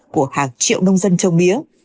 của hàng triệu nông dân trong bía